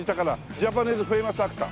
ジャパニーズフェイマスアクター。